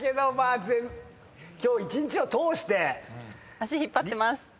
足引っ張ってます。